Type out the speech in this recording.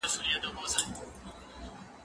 سندري د ملګرو له خوا اورېدلې کيږي؟